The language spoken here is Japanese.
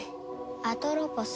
アトロポス。